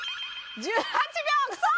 １８秒クソッ！